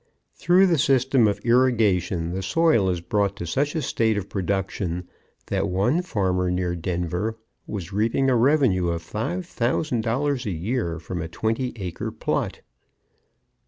Through the system of irrigation the soil is brought to such a state of production that one farmer near Denver was reaping a revenue of $5,000 a year from a twenty acre plot.